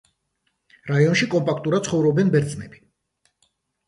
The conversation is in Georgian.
რაიონში კომპაქტურად ცხოვრობენ ბერძნები.